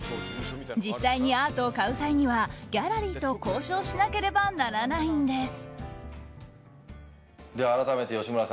実際にアートを買う際にはギャラリーと交渉しなければならないんです。